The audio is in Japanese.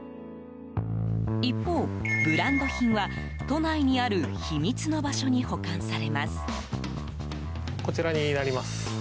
一方、ブランド品は都内にある秘密の場所に保管されます。